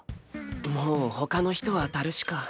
もう他の人あたるしか。